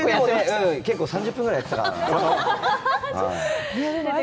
結構、３０分ぐらいやってたかなぁ。